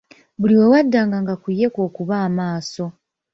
Buli wewaddanga nga ku ye kw'okuba amaaso.